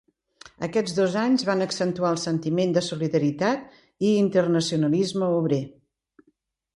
Aquests dos anys van accentuar el sentiment de solidaritat i internacionalisme obrer.